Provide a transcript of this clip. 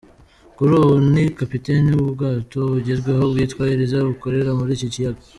Kuri ubu ni capiteni w’ubwato bugezweho bwitwa ‘Iriza’ bukorera muri iki kiyaga.